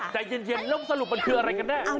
ใจเย็นแล้วสรุปมันคืออะไรกันแน่